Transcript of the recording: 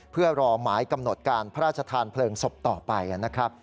เพื่อรอหมายกำหนดการพระราชทานเพลิงศพต่อไปนะครับ